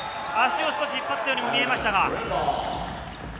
足を引っ張ったようにも見えましたが。